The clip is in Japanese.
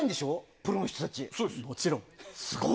プロの人たち。